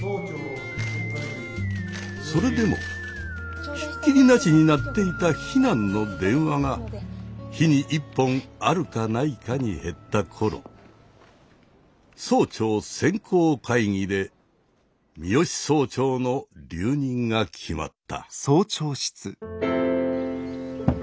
それでもひっきりなしに鳴っていた非難の電話が日に１本あるかないかに減った頃総長選考会議で三芳総長の留任が決まった。